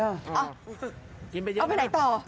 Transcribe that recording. ออกไปไหนต่อ